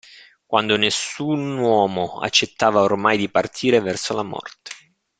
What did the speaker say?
Quando nessun uomo accettava ormai di partire verso la morte.